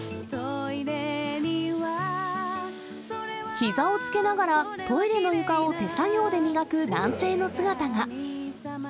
ひざをつけながら、トイレの床を手作業で磨く男性の姿が。